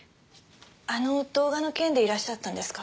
あの動画の件でいらっしゃったんですか？